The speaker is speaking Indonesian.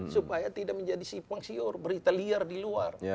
supaya tidak menjadi simpang siur berita liar di luar